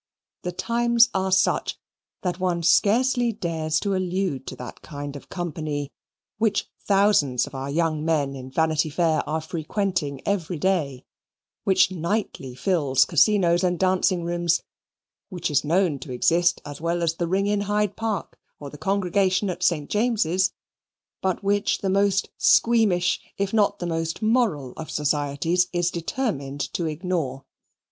The times are such that one scarcely dares to allude to that kind of company which thousands of our young men in Vanity Fair are frequenting every day, which nightly fills casinos and dancing rooms, which is known to exist as well as the Ring in Hyde Park or the Congregation at St. James's but which the most squeamish if not the most moral of societies is determined to ignore.